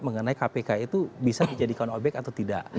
mengenai kpk itu bisa dijadikan obyek atau tidak